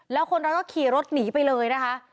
แล้วคนร้ายก็ขี่รถหนีไปเลยนะคะ